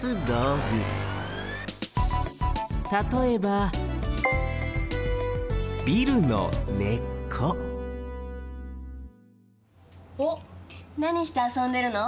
たとえばおっなにしてあそんでるの？